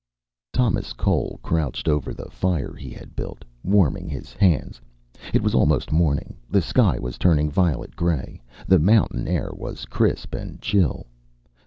Thomas Cole crouched over the fire he had built, warming his hands. It was almost morning. The sky was turning violet gray. The mountain air was crisp and chill.